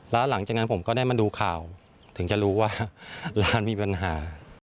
แล้วหลังจากนั้นผมก็ได้มาดูข่าวถึงจะรู้ว่าร้านมีปัญหา